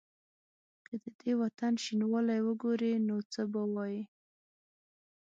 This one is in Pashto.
که د دې وطن شینوالی وګوري نو څه به وايي؟